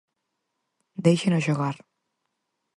Deixeno xogar.